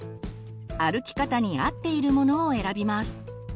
歩き方に合っているものを選びます。